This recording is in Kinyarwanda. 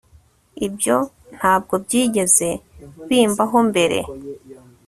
Ibyo ntabwo byigeze bimbaho mbere